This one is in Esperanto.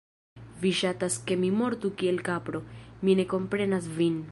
Vi ŝatas ke mi mortu kiel kapro, mi ne komprenas vin